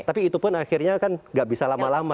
tapi itu pun akhirnya kan gak bisa lama lama